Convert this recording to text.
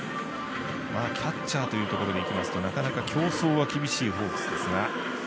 キャッチャーというところでいきますとなかなか競争は厳しいですが。